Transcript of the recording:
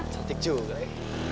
cantik juga ya